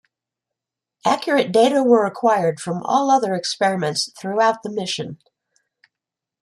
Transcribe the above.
Accurate data were acquired from all other experiments throughout the mission.